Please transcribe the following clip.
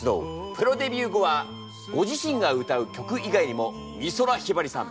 プロデビュー後はご自身が歌う曲以外にも美空ひばりさん